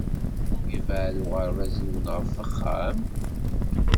Yebɛed uɣerbaz-nwen ɣef wexxam?